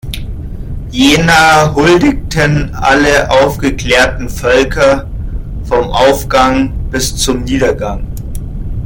Jener huldigten alle aufgeklärten Völker vom Aufgang bis zum Niedergang.